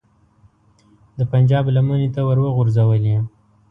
د پنجاب لمنې ته وروغورځولې.